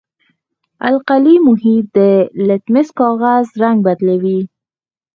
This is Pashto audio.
القلي محیط د لتمس کاغذ رنګ بدلوي.